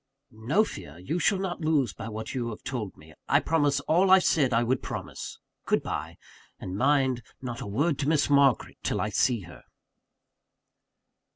"No fear you shall not lose by what you have told me I promise all I said I would promise good bye. And mind, not a word to Miss Margaret till I see her!"